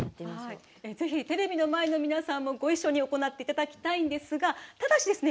ぜひテレビの前の皆さんもご一緒に行っていただきたいんですがただしですね